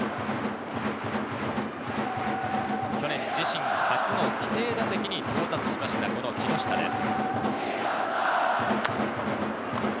去年、自身初の規定打席に到達しました、この木下です。